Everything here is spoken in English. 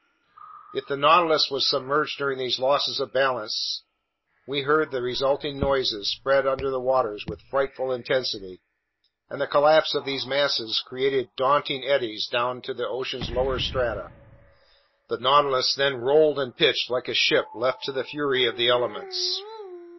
If the Nautilus was submerged during these losses of balance, we heard the resulting noises spread under the waters with frightful intensity, and the collapse of these masses created daunting eddies down to the ocean's lower strata. The Nautilus then rolled and pitched like a ship left to the fury of the elements.